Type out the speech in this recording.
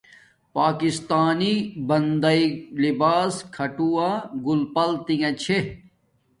پاکستانی بندݵ لباس کھاٹووہ گل پل تنݣ چھے